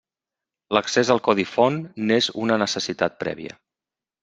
L'accés al codi font n'és una necessitat prèvia.